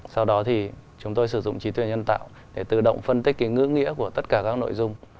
sau đó thì chúng tôi sử dụng trí tuệ nhân tạo để tự động phân tích cái ngữ nghĩa của tất cả các nội dung